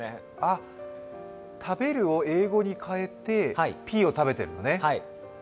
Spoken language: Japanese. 食べるを英語に変えて、Ｐを食べてるのね。